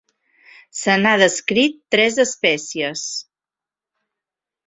Se n'ha descrit tres espècies.